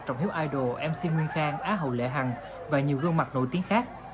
trọng hiếu idol mc nguyên khang á hậu lệ hằng và nhiều gương mặt nổi tiếng khác